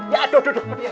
ya aduh aduh